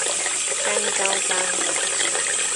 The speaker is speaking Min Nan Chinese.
瘦狗公